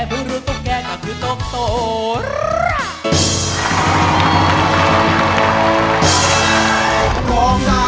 เพื่อรู้ตุ๊กแก่ก็คือโด๊กโต